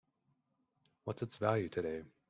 What's its value today?